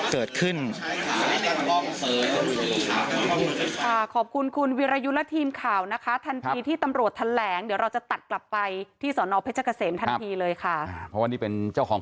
เกิดขึ้น